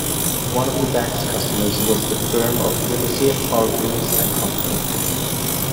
One of the bank's customers was the firm of Livesey, Hargreaves and Company.